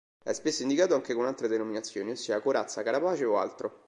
È spesso indicato anche con altre denominazioni, ossia corazza, carapace o altro.